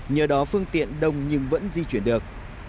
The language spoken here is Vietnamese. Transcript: nhờ đó phương tiện đông nhưng vẫn di chuyển được